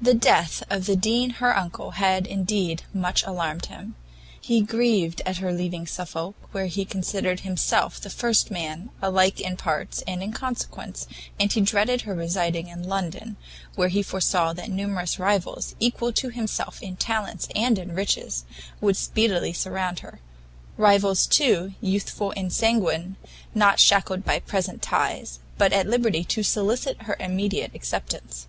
The death of the Dean her uncle had, indeed, much alarmed him; he grieved at her leaving Suffolk, where he considered himself the first man, alike in parts and in consequence, and he dreaded her residing in London, where he foresaw that numerous rivals, equal to himself in talents and in riches, would speedily surround her; rivals, too, youthful and sanguine, not shackled by present ties, but at liberty to solicit her immediate acceptance.